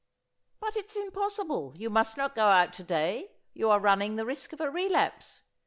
"But it's impossible: you must not go out to day; you are running the risk of a relapse.